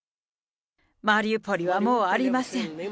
マリウポリはもうありません。